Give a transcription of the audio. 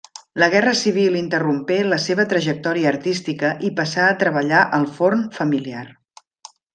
La guerra civil interrompé la seva trajectòria artística i passà a treballar al forn familiar.